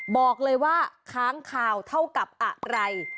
บอกเลยว่าค้างคาวเท่ากับอะไร